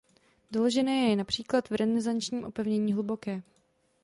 Doložené je například v renesančním opevnění Hluboké.